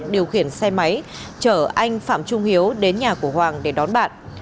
điều khiển xe máy chở anh phạm trung hiếu đến nhà của hoàng để đón bạn